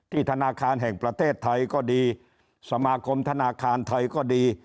ธนาคารแห่งประเทศไทยก็ดีสมาคมธนาคารไทยก็ดี